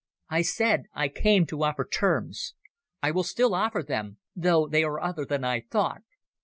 "I said I came to offer terms. I will still offer them, though they are other than I thought.